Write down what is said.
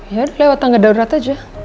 ya lewat tangga darurat aja